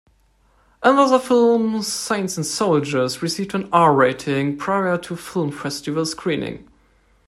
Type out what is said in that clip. Another film, "Saints and Soldiers" received an R-rating prior to film festival screening.